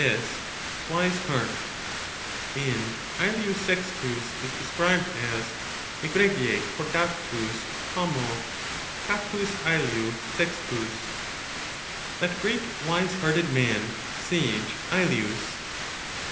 e., wise heart; and A®lius Sextus is described as Eyregie cordatus homo, catus Aliw Sextus —that great wise hearted man, sage Atlius.